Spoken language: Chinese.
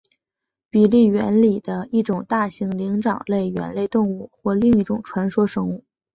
比利猿里的一种大型灵长类猿类动物或另一种传说生物。